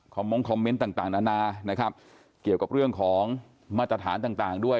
มงคอมเมนต์ต่างต่างนานานะครับเกี่ยวกับเรื่องของมาตรฐานต่างต่างด้วย